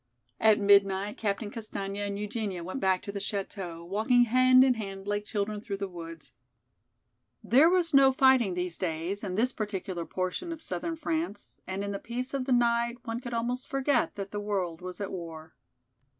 At midnight Captain Castaigne and Eugenia went back to the chateau, walking hand in hand like children through the woods. There was no fighting these days in this particular portion of southern France and in the peace of the night one could almost forget that the world was at war.